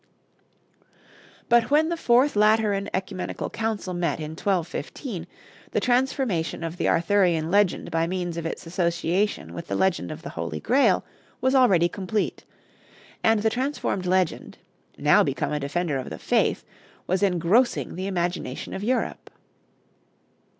But when the Fourth Lateran Ecumenical Council met in 1215, the transformation of the Arthurian legend by means of its association with the legend of the Holy Grail was already complete, and the transformed legend, now become a defender of the faith, was engrossing the imagination of Europe.